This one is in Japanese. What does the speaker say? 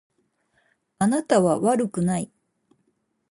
あなたは悪くない。